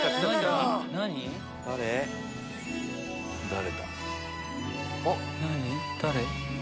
誰？